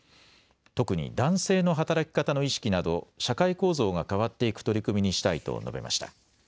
特に男性の働き方の意識など社会構造が変わっていく取り組みにしたいと述べました。